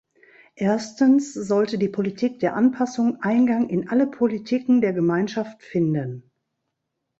Erstens sollte die Politik der Anpassung Eingang in alle Politiken der Gemeinschaft finden.